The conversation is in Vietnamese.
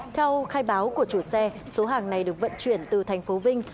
theo khai báo của chủ xe số hàng này được vận chuyển từ tp vinh